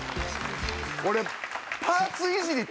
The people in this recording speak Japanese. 俺。